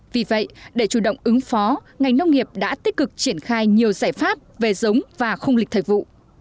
vì vậy để chủ động ứng phó ngành nông nghiệp đã tích cực triển khai nhiều giải pháp về giống và khung lịch thời vụ